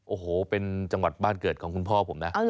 โอ้โหเป็นจังหวัดบ้านเกิดของคุณพ่อผมนะ